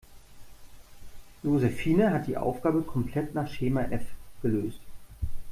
Josephine hat die Aufgabe komplett nach Schema F gelöst.